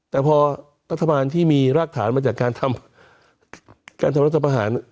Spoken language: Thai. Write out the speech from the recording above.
แต่พอรัฐทะมาณที่มีรากฐานมาจากการทำรัฐประหาร